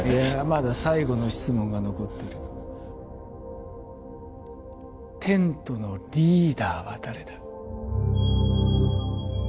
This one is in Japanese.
まだ最後の質問が残ってるテントのリーダーは誰だ？